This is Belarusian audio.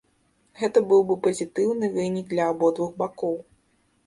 Гэта быў бы пазітыўны вынік для абодвух бакоў.